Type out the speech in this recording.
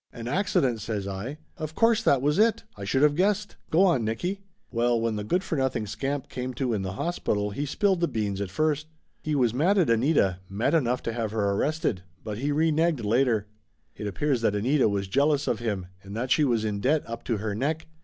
"An accident!" says I. "Of course that was it! I should have guessed. Go on, Nicky !" "Well, when the good for nothing scamp came to in the hospital he spilled the beans at first. He was Laughter Limited 321 mad at Anita, mad enough to have her arrested. But he reneged, later. It appears that Anita was jealous of him, and that she was in debt up to her neck.